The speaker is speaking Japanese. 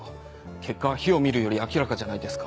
結果は火を見るより明らかじゃないですか。